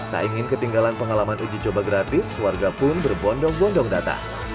tak ingin ketinggalan pengalaman uji coba gratis warga pun berbondong bondong datang